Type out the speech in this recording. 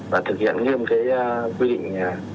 và thực hiện nghiêm quy định